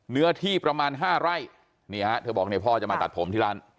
เนื้อที่ประมาณ๕ไร่นี่ฮะเธอบอกเนี่ยพ่อจะมาตัดผมที่ร้าน